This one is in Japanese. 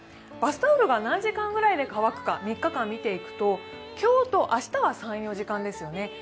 バスタオルが何時間くらいで乾くか、３日間見ていくと今日と明日は３４時間ですよね。